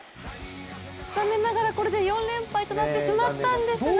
残念ながらこれで４連敗になってしまったんですが。